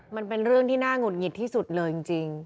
มันเป็นเรื่องที่น่าหุดหงิดที่สุดเลยจริง